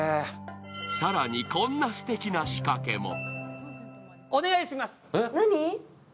更にこんなすてきな仕掛けも。